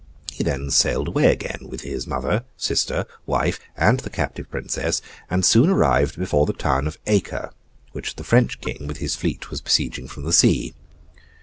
He then sailed away again with his mother, sister, wife, and the captive princess; and soon arrived before the town of Acre, which the French King with his fleet was besieging from the sea.